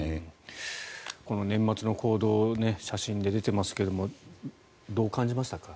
この年末の行動写真で出てますけどどう感じましたか。